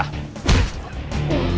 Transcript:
tukang parkir lama